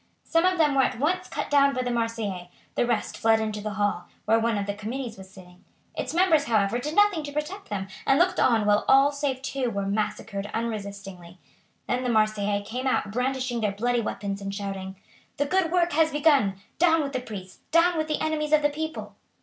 Some of them were at once cut down by the Marseillais, the rest fled into the hall, where one of the committees was sitting. Its members, however, did nothing to protect them, and looked on while all save two were massacred unresistingly. Then the Marseillais came out brandishing their bloody weapons and shouting, "The good work has begun; down with the priests! Down with the enemies of the people!"